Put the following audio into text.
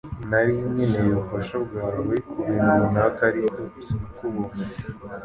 Nari nkeneye ubufasha bwawe kubintu runaka, ariko sinakubonye.